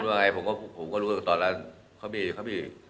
เขามีข้อเสนอท่านขอมาได้ยังไง